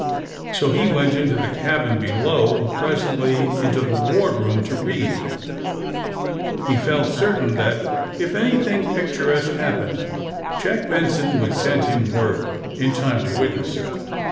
So he went into the cabin below, and presently into the wardroom to read. He felt certain that, if anything ^^picturesque" hap pened. Jack Benson would send him word in time to witness it.